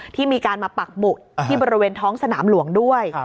ที่มีการมาปักหมุดที่บริเวณท้องสนามหลวงด้วย